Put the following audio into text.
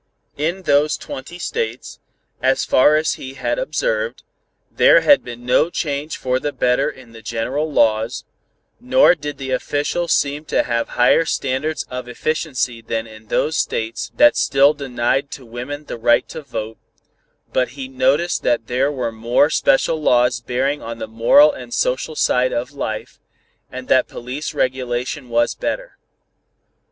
In those twenty States, as far as he had observed, there had been no change for the better in the general laws, nor did the officials seem to have higher standards of efficiency than in those States that still denied to women the right to vote, but he noticed that there were more special laws bearing on the moral and social side of life, and that police regulation was better.